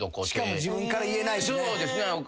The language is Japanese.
しかも自分から言えないしね。